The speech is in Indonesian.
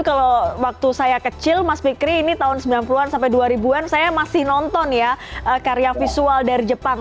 kalau waktu saya kecil mas fikri ini tahun sembilan puluh an sampai dua ribu an saya masih nonton ya karya visual dari jepang